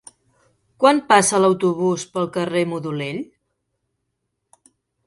Quan passa l'autobús pel carrer Modolell?